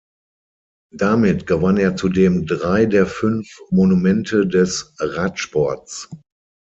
Damit gewann er zudem drei der fünf Monumente des Radsports.